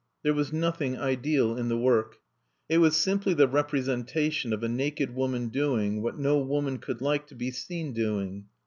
There was nothing ideal in the work. It was simply the representation of a naked woman doing what no woman could like to be seen doing.